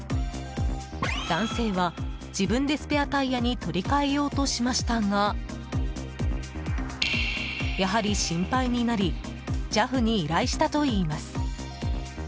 男性は、自分でスペアタイヤに取り替えようとしましたがやはり心配になりＪＡＦに依頼したといいます。